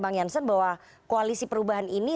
bang jansen bahwa koalisi perubahan ini